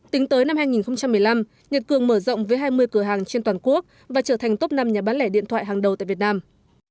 tính tới năm hai nghìn một mươi năm nhật cường mở rộng với hai mươi cửa hàng trên toàn quốc và trở thành top năm nhà bán lẻ điện thoại hàng đầu tại việt nam